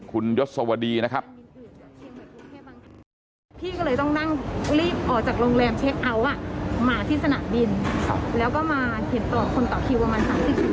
พี่ก็เลยต้องนั่งรีบออกจากโรงแรมเช็คเอาท์อ่ะมาที่สนามบินแล้วก็มาเห็นต่อคนต่อคิวประมาณ๓๐๔๐คน